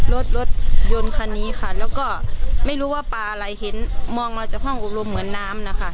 รถรถยนต์คันนี้ค่ะแล้วก็ไม่รู้ว่าปลาอะไรเห็นมองมาจากห้องอบรมเหมือนน้ำนะคะ